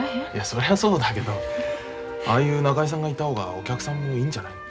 それはそうだけどああいう仲居さんがいた方がお客さんもいいんじゃないの？